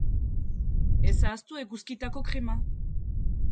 Ez ahaztu eguzkitako krema!